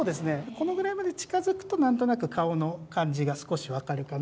このぐらいまで近づくと何となく顔の感じが少し分かるかな。